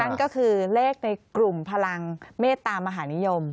นั่นก็คือเลขในกลุ่มพลังเมตตามหานิยม